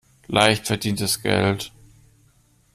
Leicht verdientes Geld.